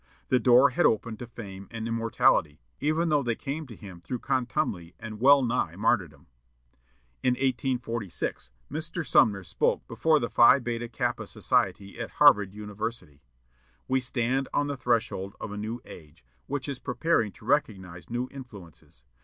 The door had opened to fame and immortality, even though they came to him through contumely and well nigh martyrdom. In 1846, Mr. Sumner spoke before the Phi Beta Kappa Society of Harvard University: "We stand on the threshold of a new age, which is preparing to recognize new influences.